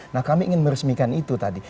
nah kami ingin meresmikan itu tadi